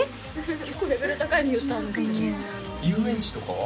結構レベル高いの言ったんですけど遊園地とかは？